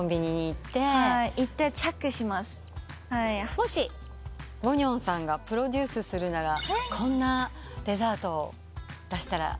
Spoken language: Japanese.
もしウォニョンさんがプロデュースするなら「こんなデザート出したらどう？」ってありますか？